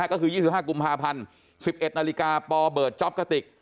ก็คือยี่สิบห้ากุมภาพันธ์สิบเอ็ดนาฬิกาปเบิร์ตจ๊อบกระติก